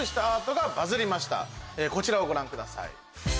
こちらをご覧ください。